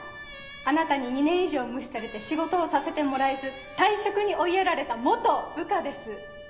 「あなたに２年以上無視されて仕事をさせてもらえず退職に追いやられた元部下です」